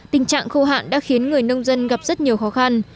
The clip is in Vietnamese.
tình trạng khô hạn đã khiến người nông dân gặp rất nhiều khó khăn